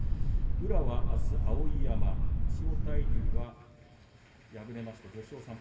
宇良はあすは碧山千代大龍はあす５勝３敗